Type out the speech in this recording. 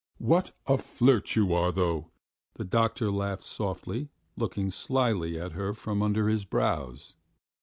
"What a flirt you are, though!" the doctor laughed softly, looking slyly at her from under his brows.